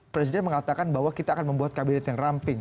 presiden mengatakan bahwa kita akan membuat kabinet yang ramping